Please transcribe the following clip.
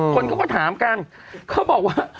คนเขาก็ถามกันเขาบอกว่า